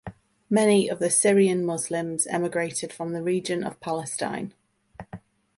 Many of the Syrian Muslims emigrated from the region of Palestine.